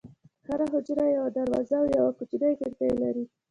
هره حجره یوه دروازه او یوه کوچنۍ کړکۍ لري.